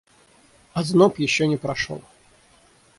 Озноб еще не прошел.